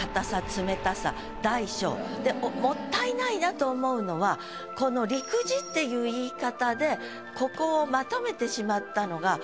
もったいないなと思うのはこの「陸自」っていう言い方でここをまとめてしまったのが。